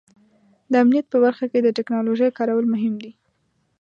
د امنیت په برخه کې د ټیکنالوژۍ کارول مهم دي.